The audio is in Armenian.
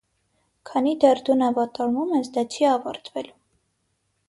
Քանի դեռ դու նավատորմում ես, դա չի ավարտվելու։